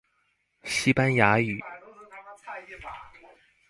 西班牙語